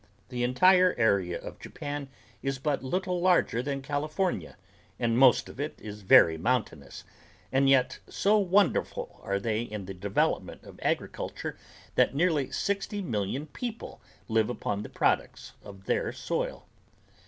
The entire area of Japan is but little larger than California and most of it is very mountainous and yet so wonderful are they in the development of agriculture that nearly sixty million people live upon the products of their soil.